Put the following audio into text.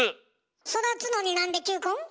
育つのになんで球根？